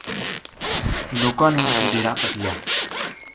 لوکاں نے اُتو ڈیرا پَٹیا